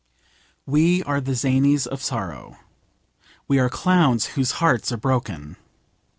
We are the zanies of sorrow. We are clowns whose hearts are broken.